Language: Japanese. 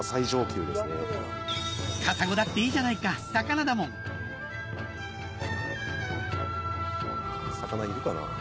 カサゴだっていいじゃないか魚だもん魚いるかな？